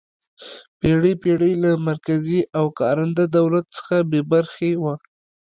پېړۍ پېړۍ له مرکزي او کارنده دولت څخه بې برخې وه.